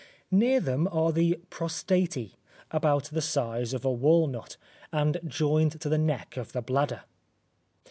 Near them are the prostatae, about the size of a walnut, and joined to the neck of the bladder.